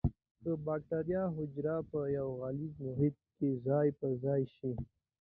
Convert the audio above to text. که بکټریا حجره په یو غلیظ محیط کې ځای په ځای شي.